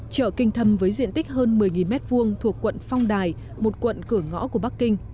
chợ kinh thâm với diện tích hơn một mươi m hai thuộc quận phong đài một quận cửa ngõ của bắc kinh